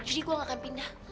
jadi gue gak akan pindah